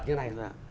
như thế này